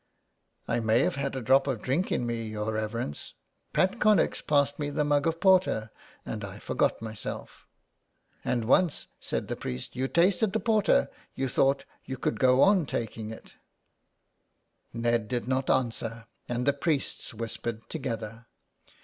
" I may have had a drop of drink in me, your reverence. Pat Connex passed me the mug of porter and I forgot myself." ''And once," said the priest, "you tasted the porter you thought you could go on taking it." 65 E SOME PARISHIONERS, Ned did not answer, and the priests whispered together.